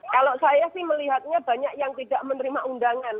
kalau saya sih melihatnya banyak yang tidak menerima undangan